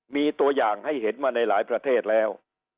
มีตัวอย่างให้เห็นมาในหลายประเทศแล้ว